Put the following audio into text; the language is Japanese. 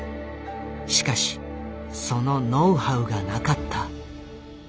しかしそのノウハウがなかった。